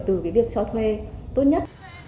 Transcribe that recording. từ cái việc cho thuê tốt nhất